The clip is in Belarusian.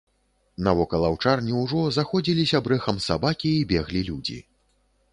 Навокал аўчарні ўжо заходзіліся брэхам сабакі і беглі людзі.